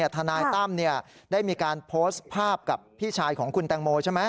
ทนายตั้มได้มีการโพสต์ภาพกับพี่ชายของคุณแตงโมใช่ไหม